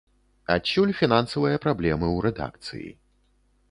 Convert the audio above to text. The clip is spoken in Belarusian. Адсюль фінансавыя праблемы ў рэдакцыі.